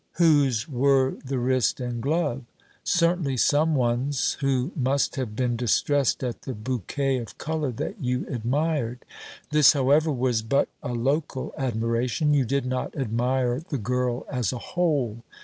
Whose were the wrist and glove? Certainly some one's who must have been distressed at the bouquet of colour that you admired. This, however, was but a local admiration. You did not admire the girl as a whole.